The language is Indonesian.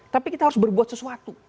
tapi kita harus berbuat sesuatu